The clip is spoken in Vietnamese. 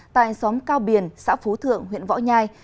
tại xóm cao biển xã phú thượng huyện võ nhai